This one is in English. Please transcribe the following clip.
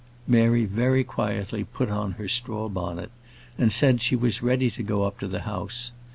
Mary very quietly put on her straw bonnet, and said she was ready to go up to the house.